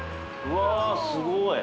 わすごい。